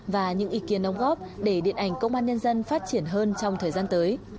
và những ý kiến đóng góp để điện ảnh công an nhân dân phát triển hơn trong thời gian tới